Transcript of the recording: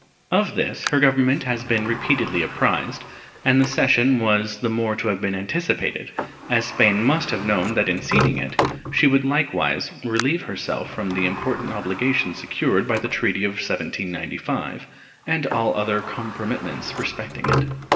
Of this her Government has been repeatedly apprised, and the cession was the more to have been anticipated as Spain must have known that in ceding it she would likewise relieve herself from the important obligation secured by the treaty of 1795 and all other compromitments respecting it.